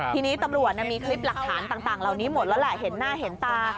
ทีนี้ตำรวจนะมีคลิปหลักฐานต่างเห็นหน้าเห็นตา